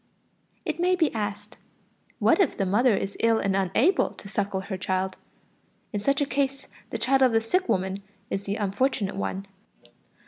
It may be asked: what if the mother is ill and unable to suckle her child? In such a case the child of the sick woman is the unfortunate one.